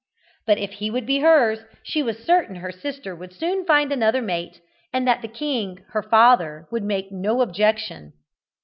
But if he would be hers, she was certain her sister would soon find another mate, and that the king, her father, would make no objection.